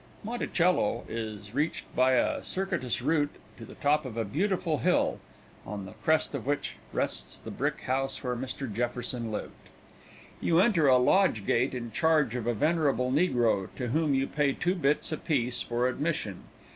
Monticello is reached by a circuitous route to the top of a beautiful hill, on the crest of which rests the brick house where Mr. Jefferson lived. You enter a lodge gate in charge of a venerable negro, to whom you pay two bits apiece for admission.